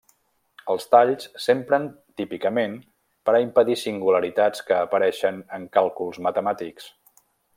Els talls s'empren típicament per a impedir singularitats que apareixen en càlculs matemàtics.